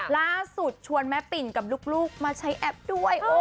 ล่าสุดชวนแม่ปิ่นกับลูกมาใช้แอปด้วย